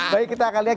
baik kita akan lihat